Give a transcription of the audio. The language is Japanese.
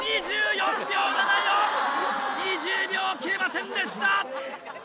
２０秒を切れませんでした！